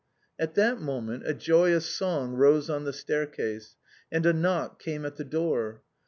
At that moment a joyous song rose on the staircase, and a knock came at the door.